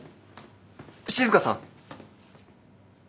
静さん。